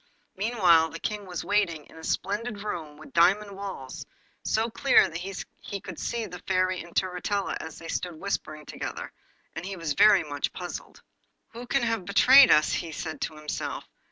Meanwhile the King was waiting in a splendid room with diamond walls, so clear that he could see the Fairy and Turritella as they stood whispering together, and he was very much puzzled. 'Who can have betrayed us?' he said to himself.